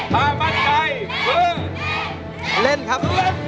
ท่ามั่นไกลเพื่อเล่นครับ